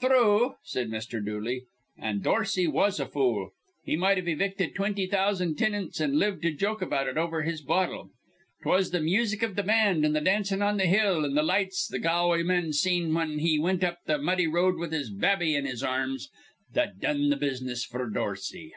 "Thrue," said Mr. Dooley. "An' Dorsey was a fool. He might've evicted twinty thousan' tinants, an' lived to joke about it over his bottle. 'Twas th' music iv th' band an' th' dancin' on th' hill an' th' lights th' Galway man seen whin he wint up th' muddy road with his babby in his arrums that done th' business f'r Dorsey."